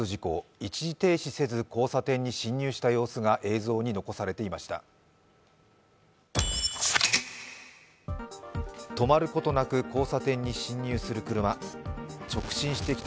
一時停止せず交差点に進入した様子が映像に残されていました。